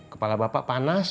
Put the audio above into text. kepala bapak panas